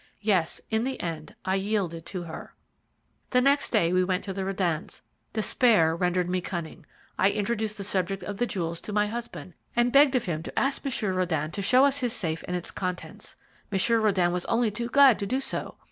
Yes, in the end I yielded to her. "The next day we went to the Rödens'. Despair rendered me cunning; I introduced the subject of the jewels to my husband, and begged of him to ask Monsieur Röden to show us his safe and its contents. Monsieur Röden was only too glad to do so.